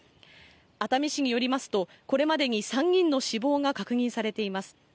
熱海市によりますと、これまでに３人の死亡が確認されています。